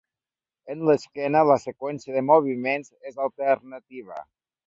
En l'esquena la seqüència de moviments és alternativa.